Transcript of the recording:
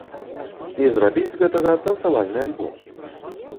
І зрабіць з гэтага танцавальны альбом.